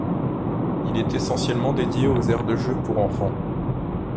Il est essentiellement dédié aux aires de jeux pour enfants.